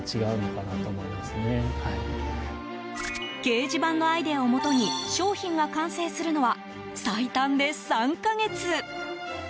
掲示板のアイデアをもとに商品が完成するのは最短で３か月。